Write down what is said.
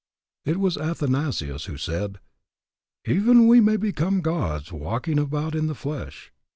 It was Athanasius who said, Even we may become Gods walking about in the flesh.